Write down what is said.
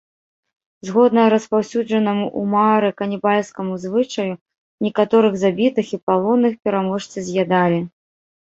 Згодна распаўсюджанаму ў маары канібальскаму звычаю, некаторых забітых і палонных пераможцы з'ядалі.